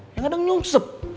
ya kadang nyungsep